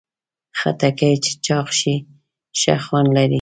خټکی چې چاق شي، ښه خوند لري.